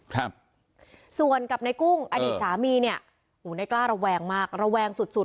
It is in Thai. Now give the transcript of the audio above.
ครับส่วนกับในกุ้งอดีตสามีเนี้ยหูในกล้าระแวงมากระแวงสุดสุด